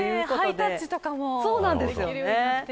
ハイタッチかもできるようになって。